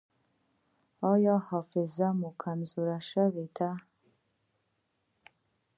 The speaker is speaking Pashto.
ایا حافظه مو کمزورې شوې ده؟